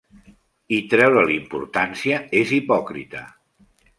I treure-li importància és hipòcrita.